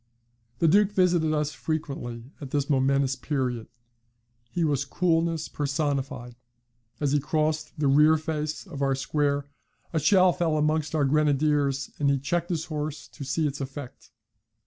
The Duke visited us frequently at this momentous period; he was coolness personified. As he crossed the rear face of our square a shell fell amongst our grenadiers, and he checked his horse to see its effect.